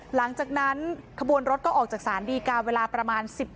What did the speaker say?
หลังจากนั้นขบวนรถก็ออกจากศาลดีกาเวลาประมาณ๑๐